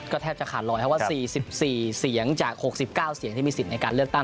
แทบจะขาดลอยครับว่า๔๔เสียงจาก๖๙เสียงที่มีสิทธิ์ในการเลือกตั้ง